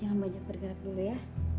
jangan banyak bergerak dulu ya